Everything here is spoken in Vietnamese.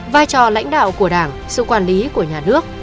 vai trò lãnh đạo của đảng sự quản lý của nhà nước